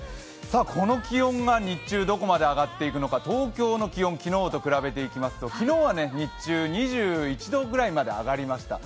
この気温が日中どこまで上がっていくのか、東京の気温昨日と比べていきますと、昨日は日中２１度ぐらいまで上がりました。